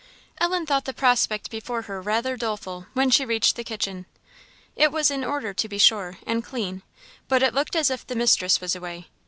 Ellen thought the prospect before her rather doleful when she reached the kitchen. It was in order, to be sure, and clean; but it looked as if the mistress was away.